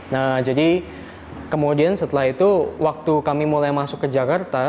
nah jadi kemudian setelah itu waktu kami mulai masuk ke jakarta